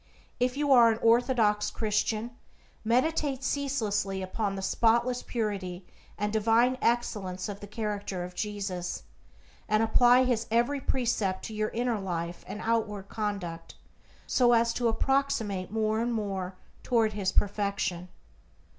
If you are an orthodox Christian, meditate ceaselessly upon the spotless purity and divine excellence of the character of Jesus, and apply his every precept to your inner life and outward conduct, so as to approximate more and more toward his perfection.